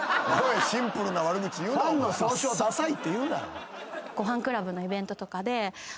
ファンの総称ダサいって言うな！